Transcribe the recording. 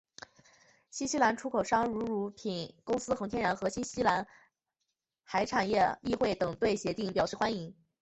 新西兰出口商如乳品公司恒天然和新西兰海产业议会等对协定表示欢迎。